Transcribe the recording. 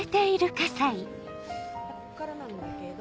ここからなんだけど。